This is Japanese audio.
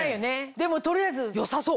でも取りあえず良さそう！